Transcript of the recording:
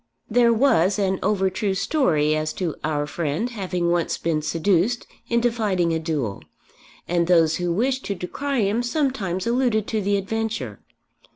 There was an over true story as to our friend having once been seduced into fighting a duel, and those who wished to decry him sometimes alluded to the adventure.